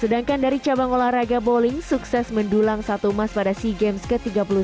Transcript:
sedangkan dari cabang olahraga bowling sukses mendulang satu emas pada sea games ke tiga puluh tiga